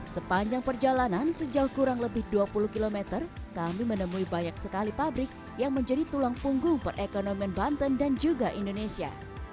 sepanjang perjalanan sejauh kurang lebih dua puluh km kami menemui banyak sekali pabrik yang menjadi tulang punggung perekonomian banten dan juga indonesia